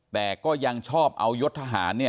แต่ก็ยังชอบเอายศทหารเนี่ย